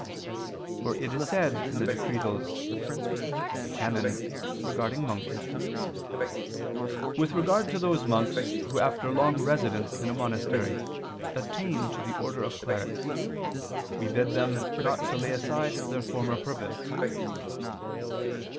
For it is said in the Decretals (XVI, qu. i, can. De Monachis): "With regard to those monks who after long residence in a monastery attain to the order of clerics, we bid them not to lay aside their former purpose."